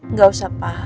nggak usah pak